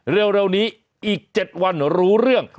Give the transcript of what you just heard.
เร็วนี้อีก๗วันรู้เรื่อง